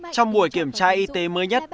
trong buổi kiểm tra y tế mới nhất